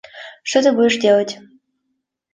Что ты будешь делать?